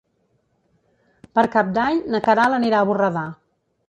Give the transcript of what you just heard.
Per Cap d'Any na Queralt anirà a Borredà.